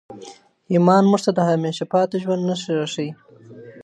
ایمان موږ ته د همېشهپاته ژوند نښې راښیي.